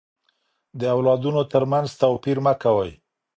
د اولادونو تر منځ توپير مه کوئ.